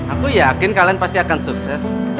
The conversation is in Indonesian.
aku yakin kalian pasti akan sukses